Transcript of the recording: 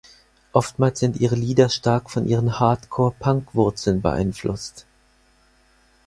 Oftmals sind ihre Lieder stark von ihren Hardcore-Punk-Wurzeln beeinflusst.